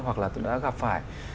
hoặc là tôi đã gặp phải